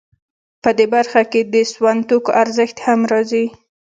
په دې برخه کې د سون توکو ارزښت هم راځي